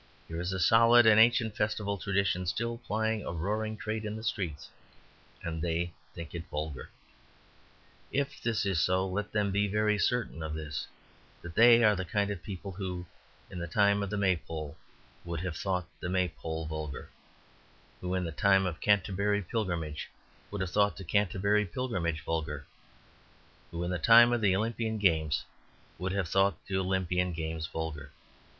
Here is a solid and ancient festive tradition still plying a roaring trade in the streets, and they think it vulgar. if this is so, let them be very certain of this, that they are the kind of people who in the time of the maypole would have thought the maypole vulgar; who in the time of the Canterbury pilgrimage would have thought the Canterbury pilgrimage vulgar; who in the time of the Olympian games would have thought the Olympian games vulgar.